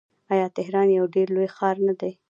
آیا تهران یو ډیر لوی ښار نه دی؟